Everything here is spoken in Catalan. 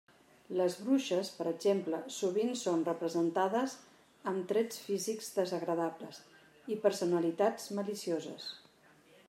Les bruixes, per exemple, sovint són representades amb trets físics desagradables i personalitats malicioses.